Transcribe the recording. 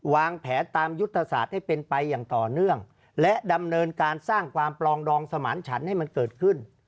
วางแผนตามยุทธศาสตร์ให้เป็นไปอย่างต่อเนื่องและดำเนินการสร้างความปลองดองสมานฉันให้มันเกิดขึ้น